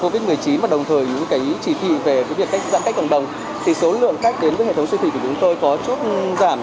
với việc giãn cách cộng đồng thì số lượng cách đến với hệ thống siêu thị của chúng tôi có chút giảm